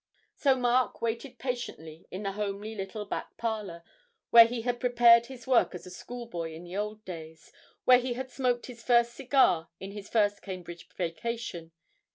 So Mark waited patiently in the homely little back parlour, where he had prepared his work as a schoolboy in the old days, where he had smoked his first cigar in his first Cambridge vacation.